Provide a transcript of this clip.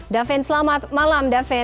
davin selamat malam davin